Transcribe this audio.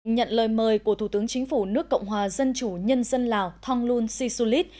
nhận lời mời của thủ tướng chính phủ nước cộng hòa dân chủ nhân dân lào thonglun sisulit